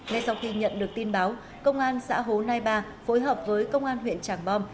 ngay sau khi nhận được tin báo công an xã hồ nai ba phối hợp với công an huyện tràng bom